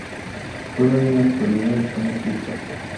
Todavía en la actualidad están ocultos.